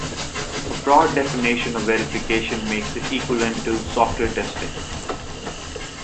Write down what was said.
A broad definition of verification makes it equivalent to software testing.